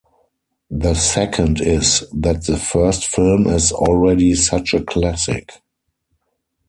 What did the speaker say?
The second is that the first film is already such a classic.